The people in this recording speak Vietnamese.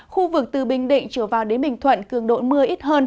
khu vực từ bình định trở vào đến bình thuận cường độ mưa ít hơn